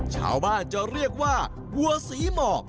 ชาวบ้านจะเรียกว่าวัวศรีหมอก